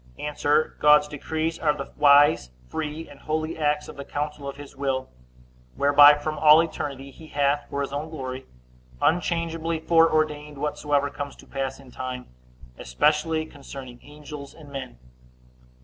A. God's decrees are the wise, free, and holy acts of the counsel of his will, whereby, from all eternity, he hath, for his own glory, unchangeably foreordained whatsoever comes to pass in time, especially concerning angels and men.